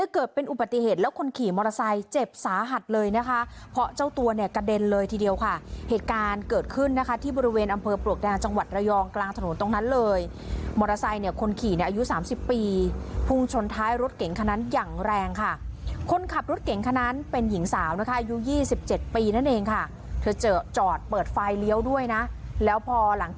เกิดเป็นอุปัติเหตุแล้วคนขี่มอเตอร์ไซค์เจ็บสาหัสเลยนะคะเพราะเจ้าตัวเนี่ยกระเด็นเลยทีเดียวค่ะเหตุการณ์เกิดขึ้นนะคะที่บริเวณอำเภอปลวกด้านจังหวัดระยองกลางถนนตรงนั้นเลยมอเตอร์ไซค์เนี่ยคนขี่ในอายุ๓๐ปีพุ่งชนท้ายรถเก่งคนนั้นอย่างแรงค่ะคนขับรถเก่งคนนั้นเป็นหญิงสาวนะคะอายุ๒๗ปีนั่น